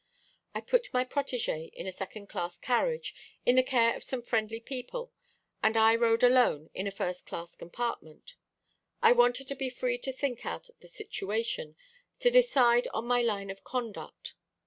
I put my protégée in a second class carriage, in the care of some friendly people, and I rode alone in a first class compartment. I wanted to be free to think out the situation, to decide on my line of conduct.